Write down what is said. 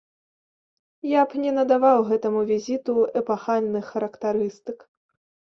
Я б не надаваў гэтаму візіту эпахальных характарыстык.